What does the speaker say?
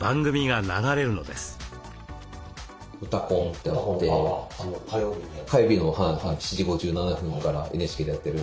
「うたコン」ってあって火曜日の７時５７分からＮＨＫでやってる。